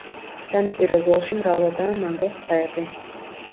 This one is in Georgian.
სანაპირო ზოლში მრავლადაა მანგოს ტყეები.